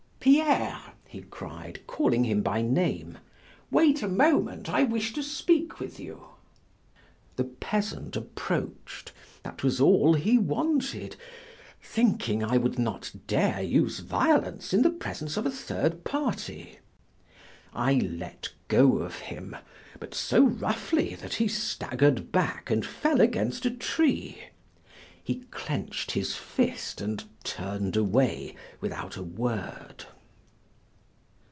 "Pierre!" he cried, calling him by name, "wait a moment, I wish to speak with you." The peasant approached; that was all he wanted, thinking I would not dare use violence in the presence of a third party. I let go of him, but so roughly that he staggered back and fell against a tree. He clenched his fist and turned away without a word.